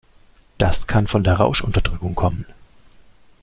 Das kann von der Rauschunterdrückung kommen.